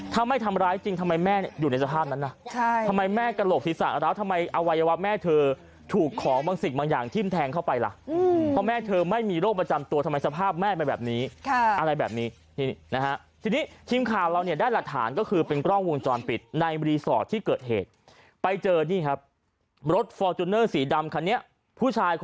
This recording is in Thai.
ถ้าไม่ทำร้ายจริงทำไมแม่เนี่ยอยู่ในสภาพนั้นนะทำไมแม่กระโหลกศีรษะร้าวทำไมอวัยวะแม่เธอถูกของบางสิ่งบางอย่างทิ้มแทงเข้าไปล่ะเพราะแม่เธอไม่มีโรคประจำตัวทำไมสภาพแม่เป็นแบบนี้อะไรแบบนี้นี่นะฮะทีนี้ทีมข่าวเราเนี่ยได้หลักฐานก็คือเป็นกล้องวงจรปิดในรีสอร์ทที่เกิดเหตุไปเจอนี่ครับรถฟอร์จูเนอร์สีดำคันนี้ผู้ชาย